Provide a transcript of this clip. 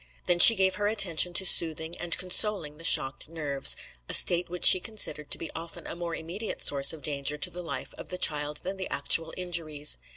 Then she gave her attention to soothing and consoling the shocked nerves a state which she considered to be often a more immediate source of danger to the life of the child than the actual injuries.